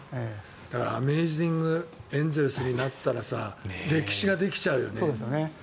だからアメージング・エンゼルスになったら歴史ができちゃうよね。